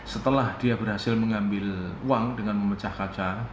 setelah dia berhasil mengambil uang dengan memecah kaca